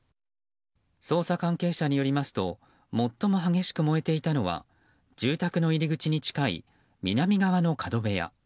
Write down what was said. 捜査関係者によりますと最も激しく燃えていたのは住宅の入り口に近い南側の角部屋。